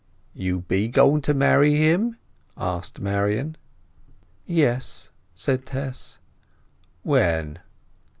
"You be going to marry him?" asked Marian. "Yes," said Tess. "When?"